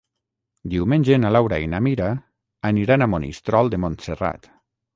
Diumenge na Laura i na Mira aniran a Monistrol de Montserrat.